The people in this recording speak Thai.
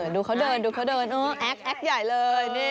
ดูเขาเดินดูเขาเดินเออแอ๊กใหญ่เลย